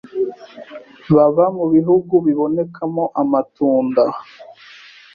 baba mu bihugu bibonekamo amatunda,